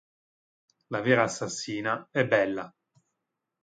La vera assassina è Bella.